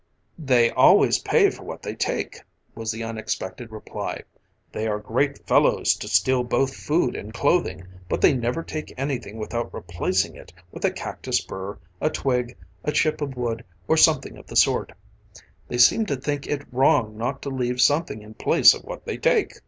"They always pay for what they take," was the unexpected reply, "they are great fellows to steal both food and clothing, but they never take anything without replacing it with a cactus burr, a twig, a chip of wood, or something of the sort. They seem to think it wrong not to leave something in place of what they take."